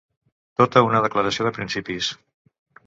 Tota una declaració de principis.